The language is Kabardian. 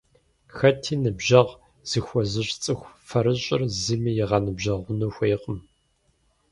Хэти «ныбжьэгъу» зыхуэзыщӀ цӀыху фэрыщӀыр зыми игъэныбжьэгъуну хуейкъым.